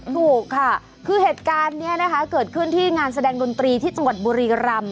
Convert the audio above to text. ถูกค่ะคือเหตุการณ์นี้นะคะเกิดขึ้นที่งานแสดงดนตรีที่จังหวัดบุรีรำ